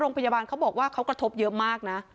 โรงพยาบาลเขาบอกว่าเขากระทบเยอะมากนะ